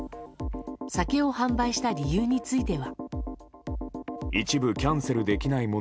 酒を販売した理由については。